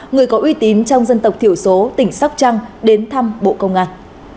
người có uy tín trong dân tộc thiểu số tỉnh sóc trăng đến thăm bộ công an